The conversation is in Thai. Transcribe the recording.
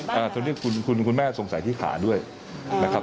ใช่ครับคือตอนนี้คุณแม่สงสัยที่ขาด้วยนะครับ